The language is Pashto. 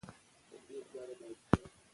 ماشوم اوس په خپله کوټه کې خوب کوي.